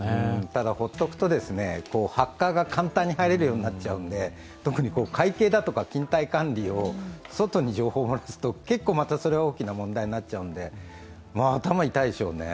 ただ、放っておくとハッカーが簡単に入れるようになっちゃうので特に会計だとか勤怠管理を外に情報を漏らすと、結構それも大きい問題になるので頭が痛いでしょうね。